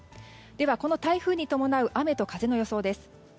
では、台風に伴う雨と風の予想です。